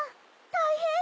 たいへん！